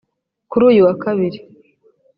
kuri uyu wa kabiri